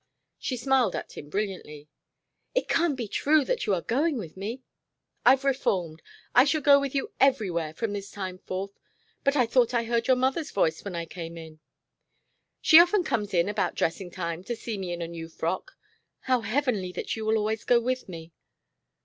She smiled at him brilliantly. "It can't be true that you are going with me?" "I've reformed. I shall go with you everywhere from this time forth. But I thought I heard your mother's voice when I came in " "She often comes in about dressing time to see me in a new frock. How heavenly that you will always go with me."